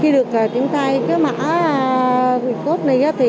khi được chuyển thay cái mã qr code này